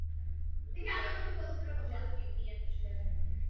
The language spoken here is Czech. Chudoba a Evropská unie.